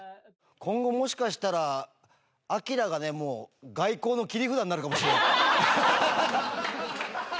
今後もしかしたらアキラが外交の切り札になるかもしれない。